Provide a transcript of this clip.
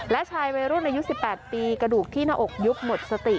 และชายวัยรุ่นอายุ๑๘ปีกระดูกที่หน้าอกยุบหมดสติ